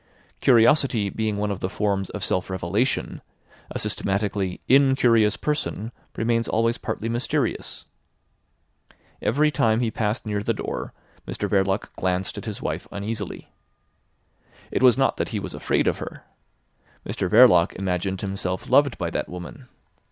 Curiosity being one of the forms of self revelation, a systematically incurious person remains always partly mysterious. Every time he passed near the door Mr Verloc glanced at his wife uneasily. It was not that he was afraid of her. Mr Verloc imagined himself loved by that woman.